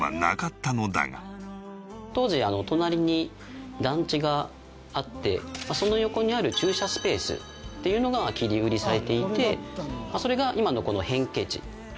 当時隣に団地があってその横にある駐車スペースっていうのが切り売りされていてそれが今のこの変形地。